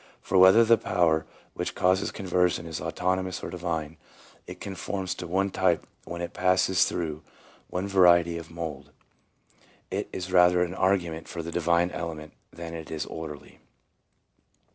3 1 1 whether the power which causes conversion is autonomous or divine, it conforms to one type when it passes through one variety of mould. It is rather an argument for the divine element that it is orderly.